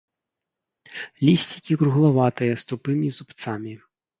Лісцікі круглаватыя, з тупымі зубцамі.